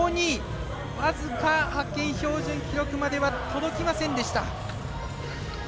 僅か派遣標準記録までは届きませんでした。